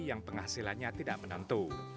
yang penghasilannya tidak menentu